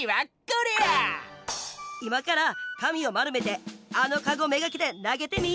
いまからかみをまるめてあのカゴめがけてなげてみ！